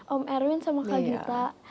om erwin sama kak gita